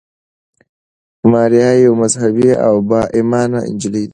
ماریا یوه مذهبي او با ایمانه نجلۍ ده.